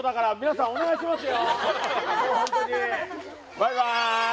バイバーイ。